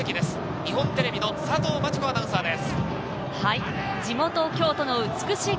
日本テレビの佐藤真知子アナウンサーです。